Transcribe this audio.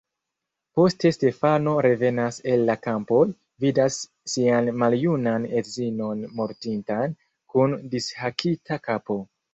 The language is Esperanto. Poste Stefano revenas el la kampoj, vidas sian maljunan edzinon mortintan, kun dishakita kapo.